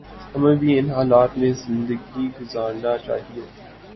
ہمیں بھی ان حالات میں زندگی گزارنا چاہیے